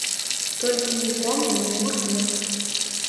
Толькі нікому ні мур-мур.